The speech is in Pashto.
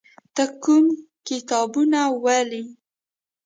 ته کوم کتابونه ولې؟